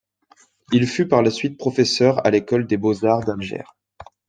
Il fut par la suite professeur à l'École des beaux-arts d'Alger.